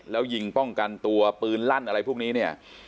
แล้วยิงป้องกันตัวปืนลั่นอะไรพวกนี้เนี่ย